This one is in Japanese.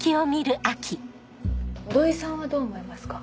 土居さんはどう思いますか？